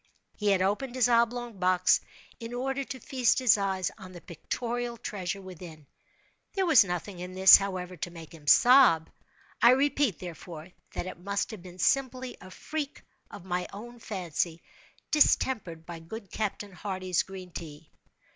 He had opened his oblong box, in order to feast his eyes on the pictorial treasure within. There was nothing in this, however, to make him sob. I repeat, therefore, that it must have been simply a freak of my own fancy, distempered by good Captain Hardy's green tea.